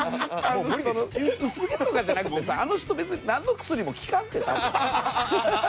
薄毛とかじゃなくてさあの人なんの薬も効かんって多分。